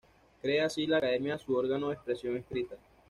Crea así la Academia su órgano de expresión escrita.